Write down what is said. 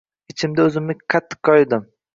Ichimda o’zimni qattiq koyidim.